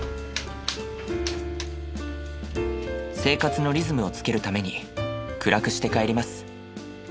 生活のリズムをつけるために暗くして帰ります。